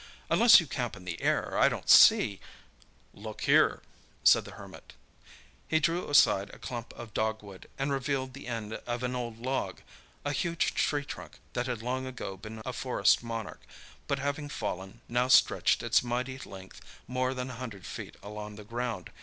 "Unless you camp in the air, I don't see—" "Look here," said the Hermit. He drew aside a clump of dogwood, and revealed the end of an old log—a huge tree trunk that had long ago been a forest monarch, but having fallen, now stretched its mighty length more than a hundred feet along the ground.